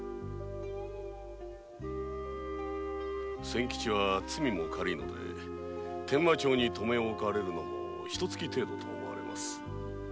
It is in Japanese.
仙吉は罪も軽いので伝馬町に留め置かれるのもひと月程度と思われます。